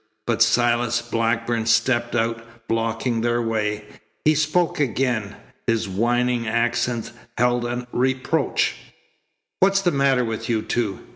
But Silas Blackburn stepped out, blocking their way. He spoke again. His whining accents held a reproach. "What's the matter with you two?